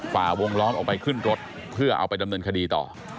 ฝ่าวงล้อมออกไปขึ้นรถเพื่อเอาไปดำเนินคดีต่อ